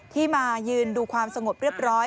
มายืนดูความสงบเรียบร้อย